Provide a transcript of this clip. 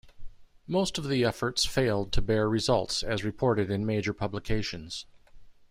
Most of the efforts failed to bear results as reported in major publications.